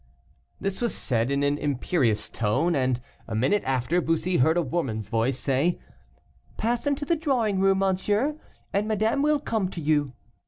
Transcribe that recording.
This was said in an imperious tone, and, a minute after, Bussy heard a woman's voice say: "Pass into the drawing room, Monsieur, and madame will come to you."